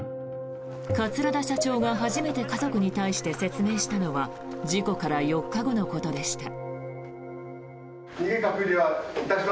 桂田社長が初めて家族に対して説明したのは事故から４日後のことでした。